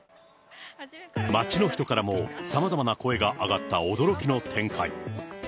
街の人からも、さまざまな声が上がった驚きの展開。